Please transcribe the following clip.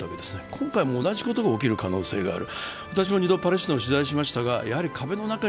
今回も同じことが起きる可能性がある。